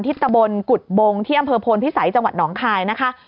ตะบนกุฎบงที่อำเภอโพนพิสัยจังหวัดหนองคายนะคะ